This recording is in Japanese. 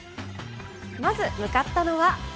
まず向かったのは。